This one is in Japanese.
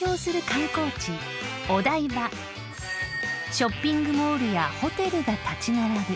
［ショッピングモールやホテルが立ち並ぶ